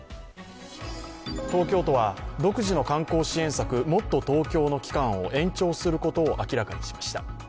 東京都は独自の観光支援策もっとＴｏｋｙｏの期間を延長することを明らかにしました。